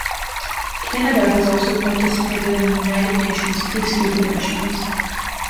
Canada has also participated in United Nations peacekeeping missions.